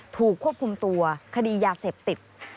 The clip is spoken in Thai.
ถูกควบคุมตัวคดียาเสพติด